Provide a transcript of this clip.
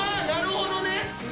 なるほどね